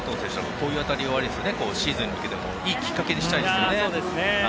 こういう当たりをシーズンに向けていいきっかけにしたいですね。